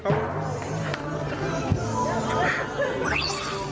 อุ๊ย